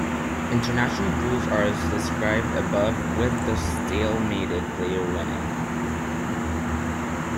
"International" rules are as described above, with the stalemated player winning.